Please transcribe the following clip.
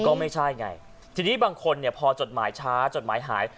ก็ไม่ใช่ไงทีนี้บางคนเนี่ยพอจดหมายช้าจดหมายหาย